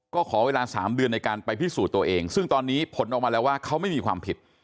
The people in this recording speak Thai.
ก็ขอเวลา๓เดือนในการไปพิสูจน์ตัวเองซึ่งตอนนี้ผลออกมาแล้วว่าเขาไม่มีความผิด